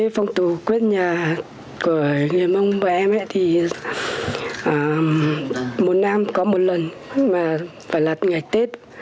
phòng tù quét nhà của người mông bọn em một năm có một lần phải lặt ngày tết